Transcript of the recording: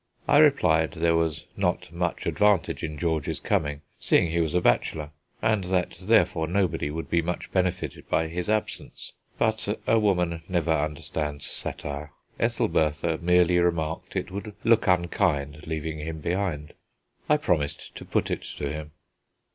I replied there was not much advantage in George's coming, seeing he was a bachelor, and that therefore nobody would be much benefited by his absence. But a woman never understands satire. Ethelbertha merely remarked it would look unkind leaving him behind. I promised to put it to him.